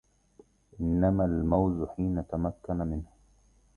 إنما الموزُ حين تُمْكَنُ منهُ